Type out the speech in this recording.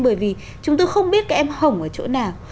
bởi vì chúng tôi không biết các em hồng ở chỗ nào